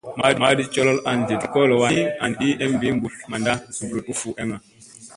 Madi colool an tliɗ kolo wani, an i em ɓii mɓutl manda zubluɗ u fu eŋga.